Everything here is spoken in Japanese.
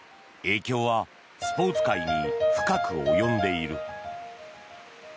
影響はスポーツ界に深く及んでいる。